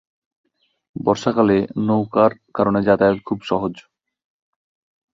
বর্ষাকালে নৌকার কারণে যাতায়াত খুব সহজ।